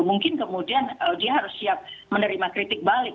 mungkin kemudian dia harus siap menerima kritik balik